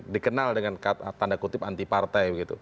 dikenal dengan tanda kutip anti partai